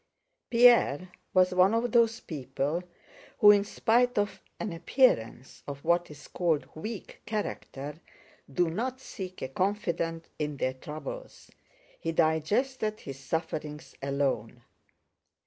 Pierre was one of those people who, in spite of an appearance of what is called weak character, do not seek a confidant in their troubles. He digested his sufferings alone.